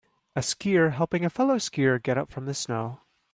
a skier helping a fellow skier get up from the snow